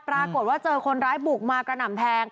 ปรากฏว่าเจอคนร้ายบุกมากระหน่ำแทง